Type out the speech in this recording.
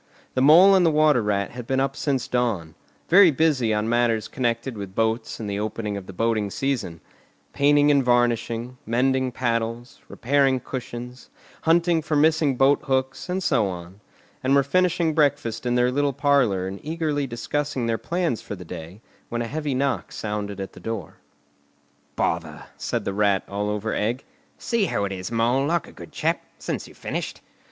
The Mole and the Water Rat had been up since dawn, very busy on matters connected with boats and the opening of the boating season; painting and varnishing, mending paddles, repairing cushions, hunting for missing boat hooks, and so on; and were finishing breakfast in their little parlour and eagerly discussing their plans for the day, when a heavy knock sounded at the door. "Bother!" said the Rat, all over egg. "See who it is, Mole, like a good chap, since you've finished."